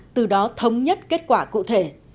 từ đó thống nhất kết quả cụ thể